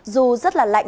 dù rất là lạnh